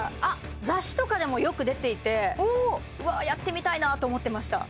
雑誌とかでもよく出ていてうわやってみたいなと思ってました